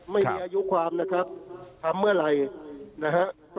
ไม่มีอายุความนะครับทำเมื่อไหร่นะฮะ